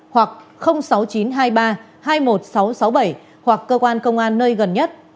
hoặc sáu mươi chín hai mươi ba hai mươi một nghìn sáu trăm sáu mươi bảy hoặc cơ quan công an nơi gần nhất